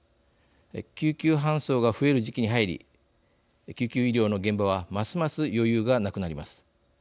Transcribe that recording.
救急搬送が増える時期に入り救急医療の現場はますます余裕がなくなります。